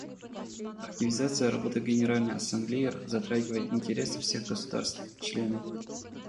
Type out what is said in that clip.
Активизация работы Генеральной Ассамблеи затрагивает интересы всех государств-членов.